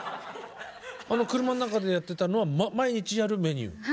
あの車の中でやってたのは毎日やるメニュー。